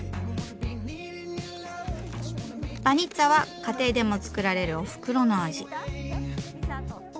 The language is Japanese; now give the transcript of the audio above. バニッツァは家庭でも作られるおふくろの味。